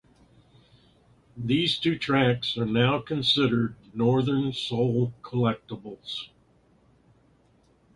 These two tracks are now considered Northern Soul collectibles.